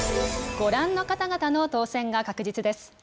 ご覧の方々の当選が確実です。